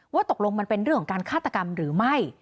ตกลงมันเป็นเรื่องของการฆาตกรรมหรือไม่